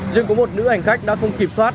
riêng có một nữ hành khách đã không kịp thoát